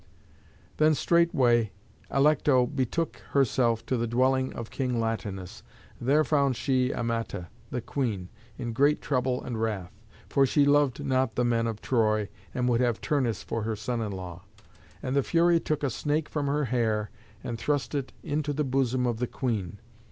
Then straightway Alecto betook herself to the dwelling of King Latinus. There found she Amata, the queen, in great trouble and wrath, for she loved not the men of Troy, and would have Turnus for her son in law. And the Fury took a snake from her hair, and thrust it into the bosom of the queen.